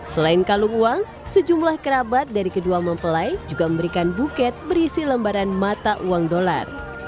selain kalung uang sejumlah kerabat dari kedua mempelai juga memberikan buket berisi lembaran mata uang dolar